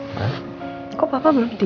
mereka tinggal miskin